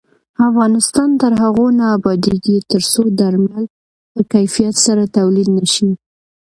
افغانستان تر هغو نه ابادیږي، ترڅو درمل په کیفیت سره تولید نشي.